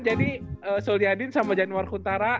jadi solyadin sama januari huntara